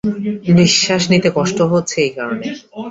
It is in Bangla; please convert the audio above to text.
নিঃশ্বাস নিতে কষ্ট হচ্ছে এই কারণে।